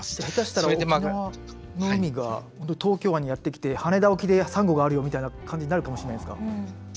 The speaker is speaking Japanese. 下手したら沖縄の海が東京湾にやってきて羽田沖でサンゴがあるよみたいな感じになるかもしれないんですか。